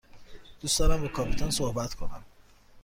دوست دارم با کاپیتان صحبت کنم.